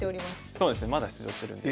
そうですねまだ出場するんで。